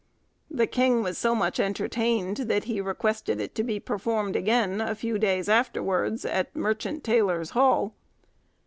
The king was so much entertained, that he requested it to be performed again a few days afterwards at Merchant Tailors' Hall.